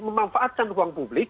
memanfaatkan ruang publik